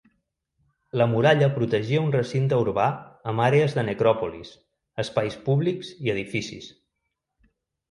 La muralla protegia un recinte urbà amb àrees de necròpolis, espais públics i edificis.